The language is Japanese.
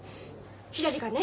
ひらりがね